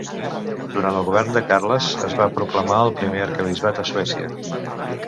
Durant el govern de Carles es va proclamar el primer arquebisbat a Suècia.